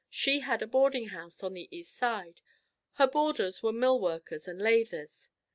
She had a boarding house on the East Side. Her boarders were mill workers and "lathers."